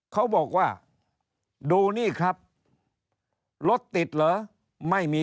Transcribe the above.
เขาบอกว่าดูนี่ครับรถติดเหรอไม่มี